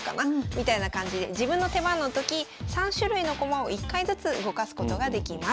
みたいな感じで自分の手番の時３種類の駒を１回ずつ動かすことができます。